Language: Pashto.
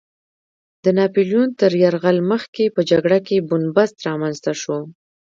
د ناپیلیون تر یرغل مخکې په جګړه کې بن بست رامنځته شو.